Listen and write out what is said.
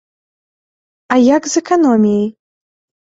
А як з эканоміяй?